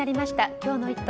今日の「イット！」。